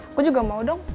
aku juga mau dong